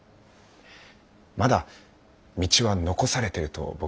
まだ道は残されてると僕は思います。